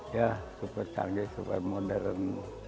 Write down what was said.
ya super canggih super modern